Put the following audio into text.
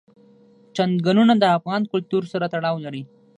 چنګلونه د افغان کلتور سره تړاو لري.